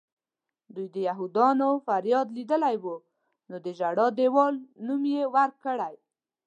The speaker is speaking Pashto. دوی د یهودیانو فریاد لیدلی و نو د ژړا دیوال نوم یې ورکړی.